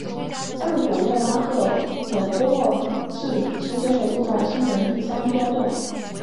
赞古勒赫的波尔至之间的路段为第三标段。